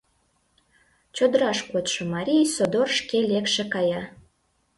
Чодыраш кодшо марий содор шке лекше кая.